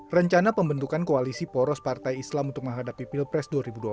rencana pembentukan koalisi poros partai islam untuk menghadapi pilpres dua ribu dua puluh